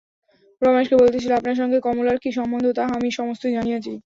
রমেশকে বলিতেছিলেন আপনার সঙ্গে কমলার কী সম্বন্ধ, তাহা আমি সমস্তই জানিয়াছি।